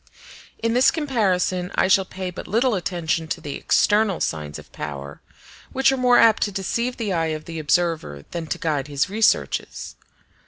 In this comparison I shall pay but little attention to the external signs of power, which are more apt to deceive the eye of the observer than to guide his researches.